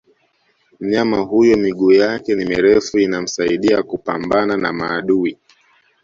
Mnyama huyo miguu yake ni mirefu inamsaidia kupambana na maadui